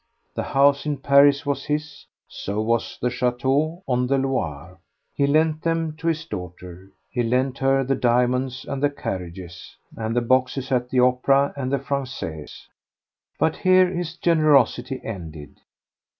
The house in Paris was his, so was the chateau on the Loire; he lent them to his daughter. He lent her the diamonds, and the carriages, and the boxes at the opera and the Français. But here his generosity ended.